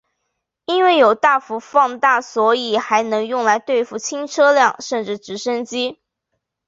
因为有大幅放大所以还能用来对付轻车辆甚至直升机。